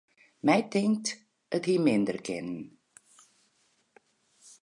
My tinkt, it hie minder kinnen.